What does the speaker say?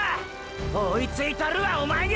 追いついたるわおまえに！！